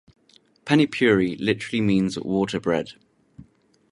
Panipuri literally means "water bread".